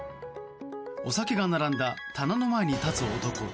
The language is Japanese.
お酒が並んだ棚の前に立つ男。